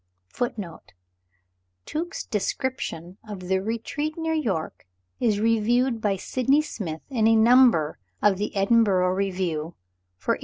(1) (1) Tuke's Description of the Retreat near York is reviewed by Sydney Smith in a number of the "Edinburgh Review," for 1814.